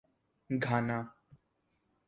Ghana